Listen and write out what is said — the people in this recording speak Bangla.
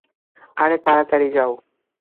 আরে তাড়াতাড়ি যাও।